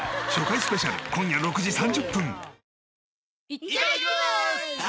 いただきます！